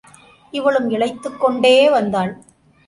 இவளும் இளைத்துக் கொண்டே வந்தாள்.